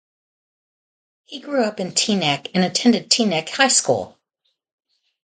He grew up in Teaneck, and attended Teaneck High School.